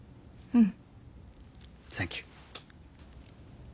うん。